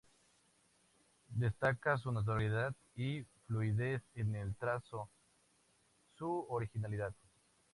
Destaca su naturalidad y fluidez en el trazo, su originalidad.